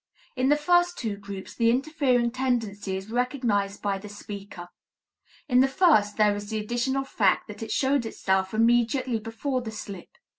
In the first two groups the interfering tendency is recognized by the speaker; in the first there is the additional fact that it showed itself immediately before the slip.